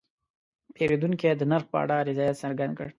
پیرودونکی د نرخ په اړه رضایت څرګند کړ.